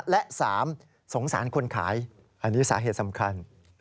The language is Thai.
และ๓สงสารคนขายอันนี้สาเหตุสำคัญ